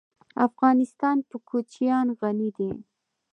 افغانستان په کوچیان غني دی.